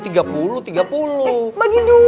eh bagi dua